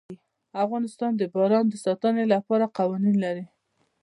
افغانستان د باران د ساتنې لپاره قوانین لري.